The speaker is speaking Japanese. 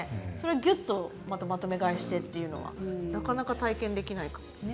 ぎゅっとまとめ買いしたというのは、なかなか体験できないから。